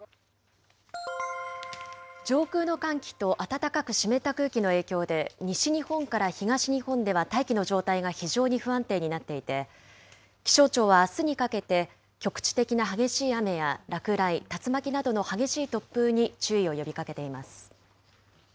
上空の寒気と暖かく湿った空気の影響で、西日本から東日本では大気の状態が非常に不安定になっていて、気象庁はあすにかけて、局地的な激しい雨や落雷、竜巻などの激しい突風に注意を呼びかけています。